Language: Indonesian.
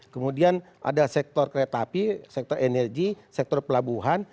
kemudian ada sektor kereta api sektor energi sektor pelabuhan